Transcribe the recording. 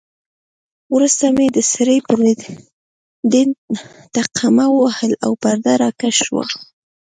وروسته مې د سرې پردې تقمه ووهل او پرده را کش شوه.